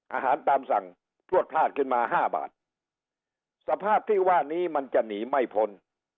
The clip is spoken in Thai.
อาหารตามสั่งพลวดพลาดขึ้นมาห้าบาทสภาพที่ว่านี้มันจะหนีไม่พ้น